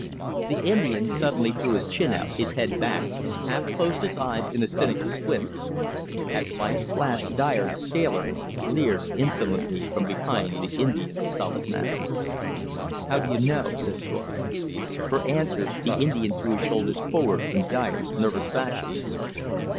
The Indian suddenly threw his chin out, his head back, half closed his eyes in a cynical squint. As by a flash Dyer, the scaler, leered insolently from behind the Indian's stolid mask. "How do you know?" said Thorpe. For answer the Indian threw his shoulders forward in Dyer's nervous fashion.